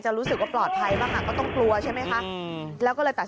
รู้สึกว่าปลอดภัยบ้างก็ต้องกลัวใช่ไหมคะแล้วก็เลยตัด